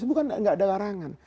bukan tidak ada larangan